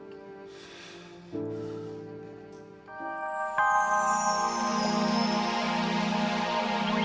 kau udah bisa minder modeling apapun anyway